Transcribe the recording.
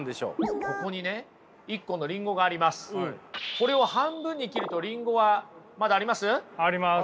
これを半分に切るとリンゴはまだあります？あります。